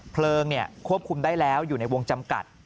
เพลิงน่ะครับครบคุมได้แล้วอยู่ในวงจำกัด